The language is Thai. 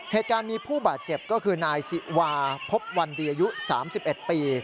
เหตุการณ์มีผู้บาดเจ็บก็คือนายสิวาพบวันดีอายุ๓๑ปี